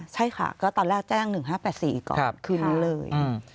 ใช่ค่ะก็ตอนแรกแจ้ง๑๕๘๔ก่อนคืนนี้เลย